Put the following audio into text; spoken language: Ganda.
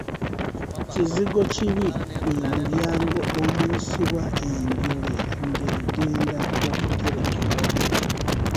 Kizigokibi gwe mulyango omuyisibwa enjole ng'egenda okuterekebwa.